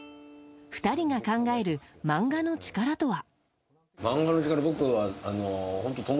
２人が考える、漫画の力とは？